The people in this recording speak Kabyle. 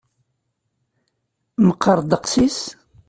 Meqqer ddeqs-is?